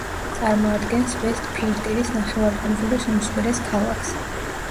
წარმოადგენს ვესტფირდირის ნახევარკუნძულის უმსხვილეს ქალაქს.